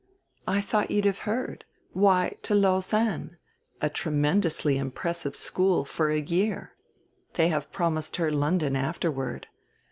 I thought you'd have heard why, to Lausanne, a tremendously impressive school for a year. They have promised her London afterward.